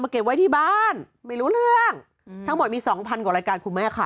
เก็บไว้ที่บ้านไม่รู้เรื่องทั้งหมดมีสองพันกว่ารายการคุณแม่ค่ะ